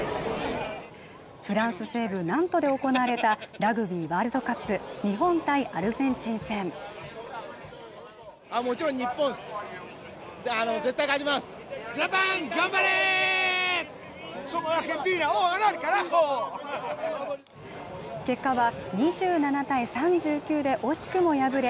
フランス西部ナントで行われたラグビーワールドカップ日本対アルゼンチン戦結果は２７対３９で惜しくも敗れ